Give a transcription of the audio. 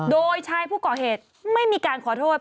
โดยชายผู้ก่อเหตุไม่มีการขอโทษ